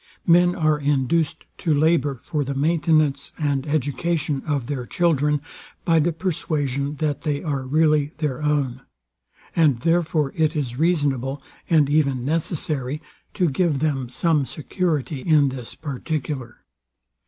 Men are induced to labour for the maintenance and education of their children, by the persuasion that they are really their own; and therefore it is reasonable, and even necessary, to give them some security in this particular.